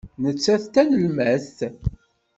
Nettat d tanelmadt.